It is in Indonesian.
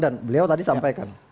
dan beliau tadi sampaikan